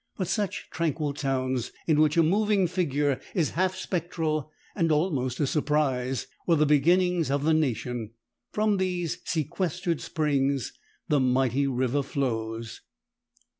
But such tranquil towns, in which a moving figure is half spectral and almost a surprise, were the beginnings of the nation. From these sequestered springs the mighty river flows.